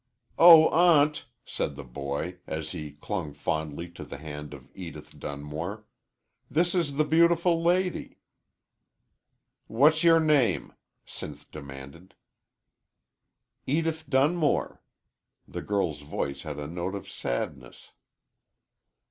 "Oh, aunt," said the boy, as he clung fondly to the hand of Edith Dunmore, "this is the beautiful lady." "What's your name?" Sinth demanded. "Edith Dunmore." The girl's voice had a note of sadness.